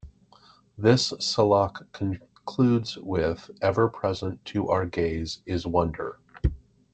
This salok concludes with: Ever present to our gaze is wonder.